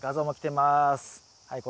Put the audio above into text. はい。